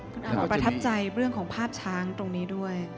คุณอาประทับใจเรื่องของภาพช้างตรงนี้ด้วย